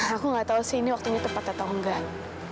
aku gak tau sih ini waktunya tepat atau enggak